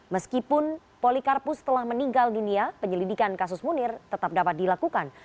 meskipun polikarpus telah meninggal dunia penyelidikan kasus munir tetap dapat dilakukan